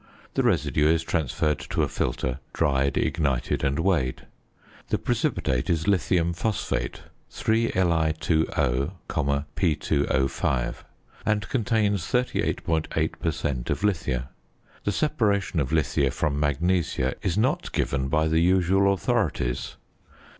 The residue is transferred to a filter, dried, ignited, and weighed. The precipitate is lithium phosphate (3Li_O, P_O_), and contains 38.8 per cent. of lithia. The separation of lithia from magnesia is not given by the usual authorities.